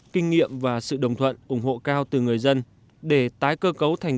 kinh nghiệm và sự đồng thuận ủng hộ cao từ người dân